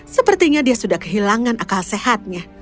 sepertinya dia sudah kehilangan akal sehatnya